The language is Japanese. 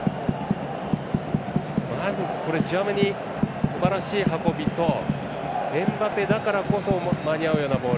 まず、チュアメニすばらしい運びとエムバペだからこそ間に合うようなボール。